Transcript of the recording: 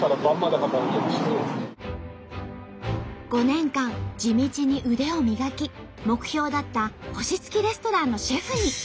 ５年間地道に腕を磨き目標だった星付きレストランのシェフに。